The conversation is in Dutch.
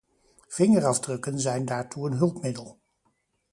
Vingerafdrukken zijn daartoe een hulpmiddel.